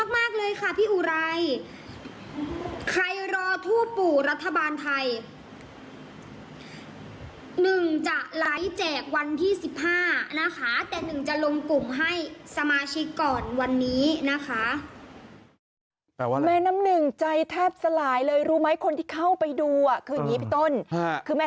แม่แนมนึงใจแทบสลายเลยรู้ไหมคนที่เข้าไปดูครับคือผิศต้นคือแม่